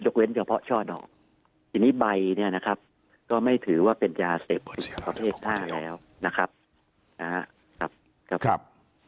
เว้นเฉพาะช่อดอกทีนี้ใบเนี่ยนะครับก็ไม่ถือว่าเป็นยาเสพติดประเภท๕แล้วนะครับครับ